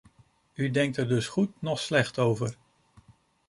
U denkt er dus goed noch slecht over.